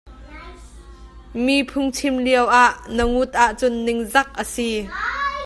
Mi phungchim lioah na ngut ahcun ningzak a si.